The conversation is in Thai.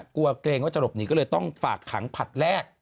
เกรงว่าจะหลบหนีก็เลยต้องฝากขังผลัดแรก